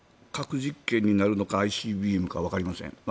核実験になるのかＩＣＢＭかわかりません。